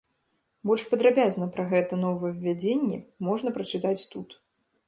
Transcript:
Больш падрабязна пра гэтае новаўвядзенне можна прачытаць тут.